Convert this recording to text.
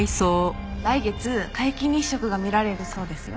来月皆既日食が見られるそうですよ。